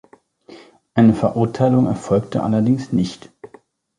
Eine Verurteilung erfolgte allerdings nicht.